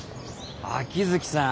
秋月さん